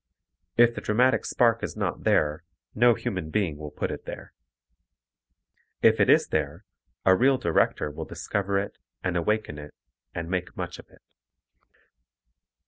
If the dramatic spark is not there, no human being will put it there. If it is there, a real director will discover it and awaken it and make much of it.